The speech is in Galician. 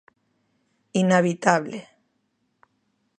Inhabitable.